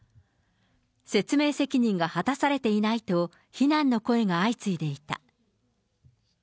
説明責任が果たされていないと、非難の声が相次いでいた。